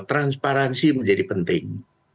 transparansi menjadi penting